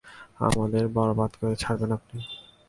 আমাদের বরবাদ করে ছাড়বেন আপনি!